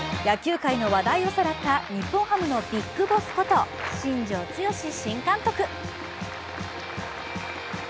野球界の話題をさらった日本ハムのビッグボスこと新庄剛志新監督。